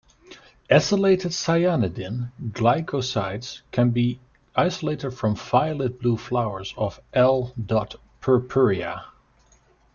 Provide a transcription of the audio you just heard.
Acylated cyanidin glycosides can be isolated from violet-blue flowers of "I. purpurea".